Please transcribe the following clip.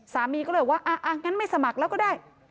สามีก็เลยว่างั้นไม่สมัครแล้วก็ได้